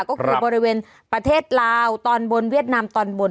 ก็คือบริเวณประเทศลาวตอนบนเวียดนามตอนบน